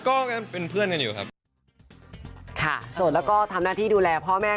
เขาก็บอกว่าแฟนชาวต่างชาติของเราก็คือเซ็กดูบายกันแล้ว